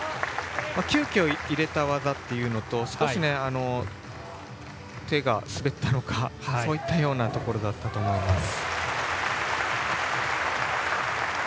急きょ入れた技というのと少し、手が滑ったのかそういったようなところだったと思います。